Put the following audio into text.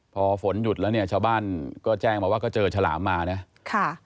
พอฝนหยุดแล้วเนี่ยชาวบ้านก็แจ้งมาว่าก็เจอฉลามมานะค่ะ